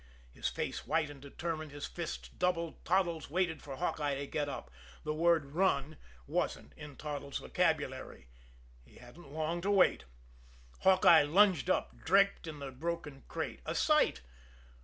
His face white and determined, his fists doubled, Toddles waited for Hawkeye to get up the word "run" wasn't in Toddles' vocabulary. He hadn't long to wait. Hawkeye lunged up, draped in the broken crate a sight.